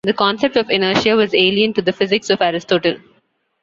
The concept of "inertia" was alien to the physics of Aristotle.